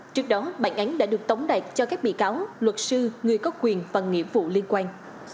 trước đó bản án đã được tống đạt cho các bị cáo luật sư người có quyền và nghĩa vụ liên quan